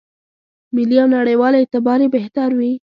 ملي او نړېوال اعتبار یې بهتر وي.